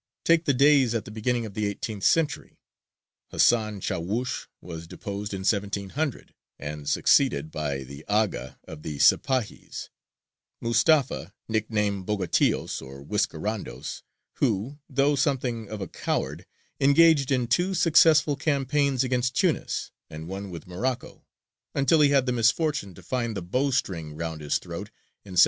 Take the Deys at the beginning of the eighteenth century. Hasan Chāwush was deposed in 1700, and succeeded by the Aga of the Sipāhis, Mustafa, nicknamed Bogotillos or "Whiskerandos," who, though something of a coward, engaged in two successful campaigns against Tunis and one with Morocco, until he had the misfortune to find the bow string round his throat in 1706.